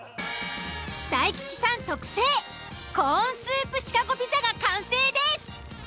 大吉さん特製コーンスープシカゴピザが完成です！